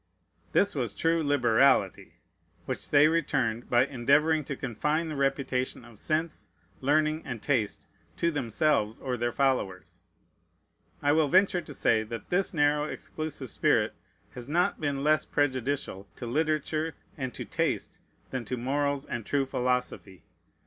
This was true liberality; which they returned by endeavoring to confine the reputation of sense, learning, and taste to themselves or their followers. I will venture to say that this narrow, exclusive spirit has not been less prejudicial to literature and to taste than to morals and true philosophy.